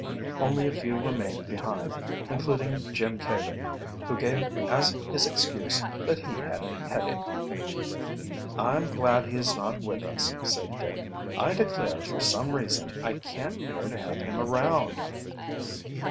Only a few remained behind, including Jim Caven, who gave as his excuse that he had a headache. "I'm glad he is not with us," said Dick. "I declare, for some reason, I can't bear to have him around."